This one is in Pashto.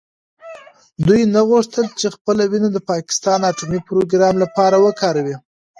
دوی نه غوښتل چې خپله وینه د پاکستان اټومي پروګرام لپاره وکاروي.